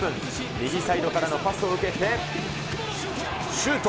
右サイドからのパスを受けて、シュート。